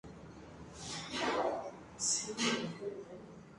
Se encuentra en peligro por la destrucción de su hábitat.